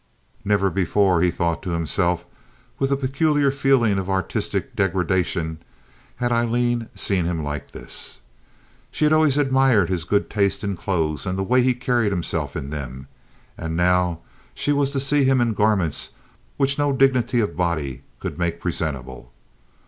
Never before, he thought to himself, with a peculiar feeling of artistic degradation, had Aileen seen him like this. She had always admired his good taste in clothes, and the way he carried himself in them; and now she was to see him in garments which no dignity of body could make presentable.